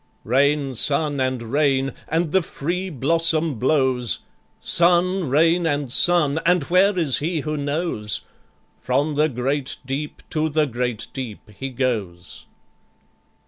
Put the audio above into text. "'Rain, sun, and rain! and the free blossom blows: Sun, rain, and sun! and where is he who knows? From the great deep to the great deep he goes.'